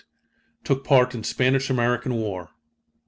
Took part in Spanish American War.